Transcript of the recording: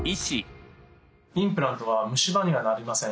インプラントは虫歯にはなりません。